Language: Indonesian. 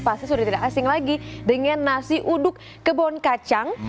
pasti sudah tidak asing lagi dengan nasi uduk kebun kacang